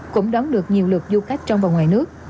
cũng đón được nhiều lượt du khách trong và ngoài nước